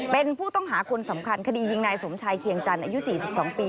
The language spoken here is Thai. เป็นผู้ต้องหาคนสำคัญคดียิงนายสมชายเคียงจันทร์อายุ๔๒ปี